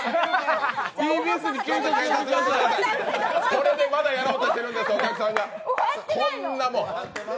これでまだやろうとしてるんです、お客さんが。